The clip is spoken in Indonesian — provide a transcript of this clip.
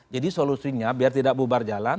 jadi solusinya biar tidak bubar jalan